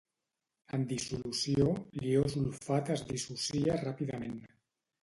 En dissolució, l'ió sulfat es dissocia ràpidament.